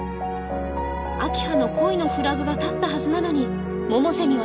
明葉の恋のフラグが立ったはずなのに百瀬には届かず